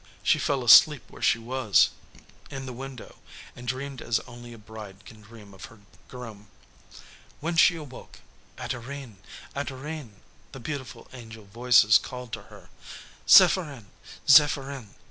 She fell asleep where she was, in the window, and dreamed as only a bride can dream of her groom. When she awoke, "Adorine! Adorine!" the beautiful angel voices called to her; "Zepherin! Zepherin!"